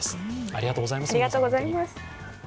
ありがとうございます、皆さん。